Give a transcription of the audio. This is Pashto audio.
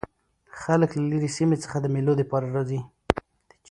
خلک له ليري سیمو څخه د مېلو له پاره راځي.